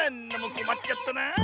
こまっちゃったなあ。